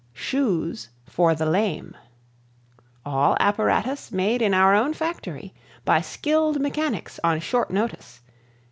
Shoes for the Lame All apparatus made in our own factory. By skilled mechanics on short notice.